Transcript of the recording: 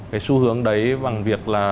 cái xu hướng đấy bằng việc là